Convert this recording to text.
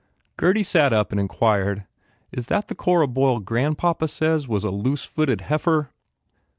Gurdy sat up and inquired, "Is that the Cora Boyle grandpapa says was a loose footed heifer?"